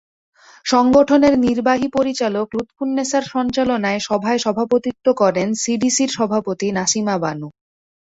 সংগঠনের নির্বাহী পরিচালক লুৎফুন্নেছার সঞ্চালনায় সভায় সভাপতিত্ব করেন সিডিসির সভাপতি নাসিমা বানু।